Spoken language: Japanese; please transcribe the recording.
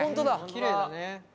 きれいだね。